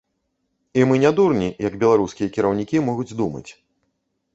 І мы не дурні, як беларускія кіраўнікі могуць думаць.